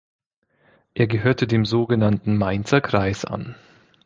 Er gehörte dem sogenannten Mainzer Kreis an.